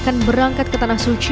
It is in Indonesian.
dan berangkat ke tanah suci